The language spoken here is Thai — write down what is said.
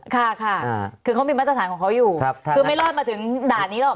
ค่ะค่ะคือเขามีมาตรฐานของเขาอยู่คือไม่รอดมาถึงด่านนี้หรอก